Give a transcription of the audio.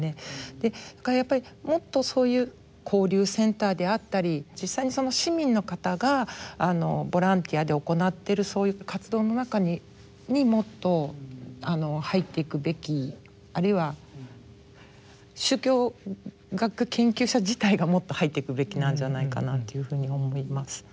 やっぱりもっとそういう交流センターであったり実際にその市民の方がボランティアで行っている活動の中にもっと入って行くべきあるいは宗教学研究者自体がもっと入って行くべきなんじゃないかなっていうふうに思います。